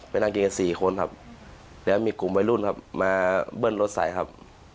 นั่งกินกันสี่คนครับแล้วมีกลุ่มวัยรุ่นครับมาเบิ้ลรถใส่ครับ